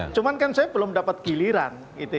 cuman kan saya belum dapat giliran